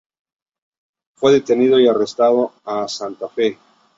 Fue detenido y desterrado a Santa Fe.